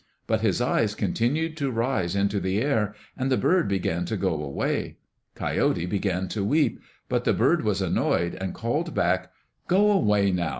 But his eyes continued to rise into the air, and the bird began to go away. Coyote began to weep. But the bird was annoyed, and called back, "Go away now.